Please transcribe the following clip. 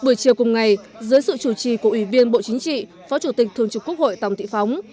buổi chiều cùng ngày dưới sự chủ trì của ủy viên bộ chính trị phó chủ tịch thường trực quốc hội tòng thị phóng